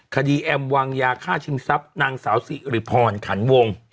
แอมวางยาฆ่าชิงทรัพย์นางสาวสิริพรขันวง